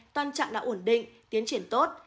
toàn trạng đã ổn định tiến triển tốt